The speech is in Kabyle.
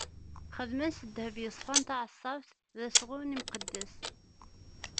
Xedmen s ddheb yeṣfan taɛeṣṣabt: D asɣun imqeddes.